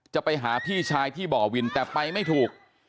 จะไปหาพี่ชายที่บ่อวินแต่ไปไม่ถูก